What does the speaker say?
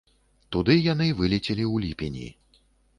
Туды яны вылецелі ў ліпені.